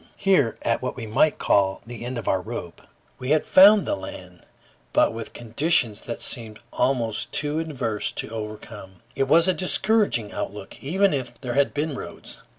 Here, at what we might call the end of our rope, we had found the land, but with conditions that seemed almost too adverse to overcome. It was a discouraging outlook, even if there had been roads.